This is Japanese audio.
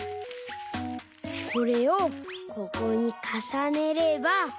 これをここにかさねれば。